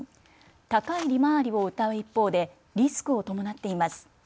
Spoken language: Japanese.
高い利回りをうたう一方でリスクを伴っています。